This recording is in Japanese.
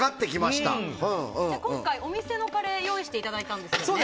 今回お店のカレーを用意していただいたんですよね。